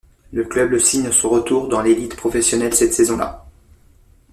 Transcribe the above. Le club signe son retour dans l'élite professionnelle cette saison-là.